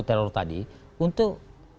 teror tadi untuk